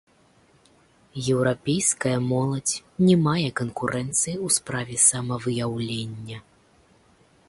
Еўрапейская моладзь не мае канкурэнцыі ў справе самавыяўлення.